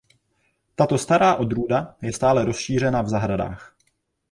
Tato stará odrůda je stále rozšířená v zahradách.